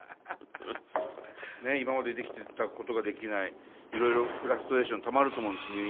今までできてたことができないいろいろフラストレーションたまると思うんです